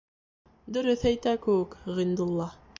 Дөрөҫ әйтә кеүек Ғиндулла.